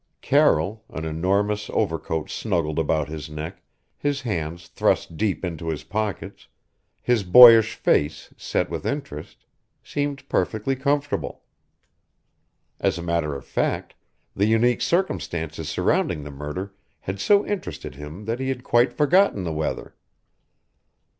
Carroll, an enormous overcoat snuggled about his neck, his hands thrust deep into his pockets, his boyish face set with interest, seemed perfectly comfortable. As a matter of fact, the unique circumstances surrounding the murder had so interested him that he had quite forgotten the weather.